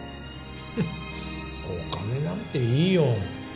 フッお金なんていいよ。